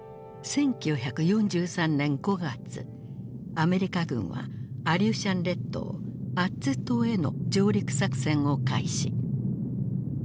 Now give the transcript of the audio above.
アメリカ軍はアリューシャン列島アッツ島への上陸作戦を開始。